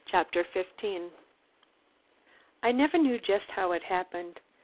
CHAPTER FIFTEEN I never knew just how it happened.